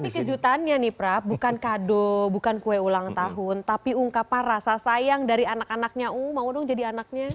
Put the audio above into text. tapi kejutannya nih prap bukan kado bukan kue ulang tahun tapi ungkapan rasa sayang dari anak anaknya uh mau dong jadi anaknya